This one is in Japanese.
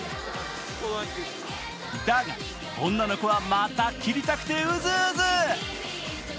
だが、女の子は切りたくてうずうず。